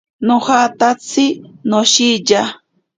Nojatatsi noshiya.